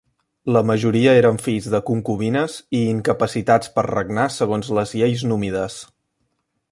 La majoria eren fills de concubines i incapacitats per regnar segons les lleis númides.